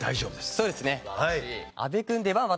そうですね。